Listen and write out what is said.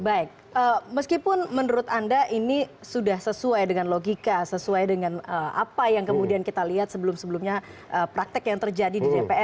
baik meskipun menurut anda ini sudah sesuai dengan logika sesuai dengan apa yang kemudian kita lihat sebelum sebelumnya praktek yang terjadi di dpr